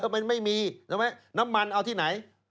มันไม่มีใช่ไหมน้ำมันเอาที่ไหน